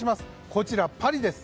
こちら、パリです。